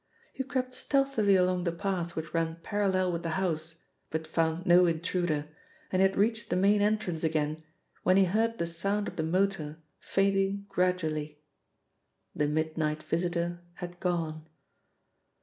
He crept stealthily along the path which ran parallel with the house, but found no intruder, and he had reached the main entrance again when he heard the sound of the motor fading gradually the midnight visitor had gone.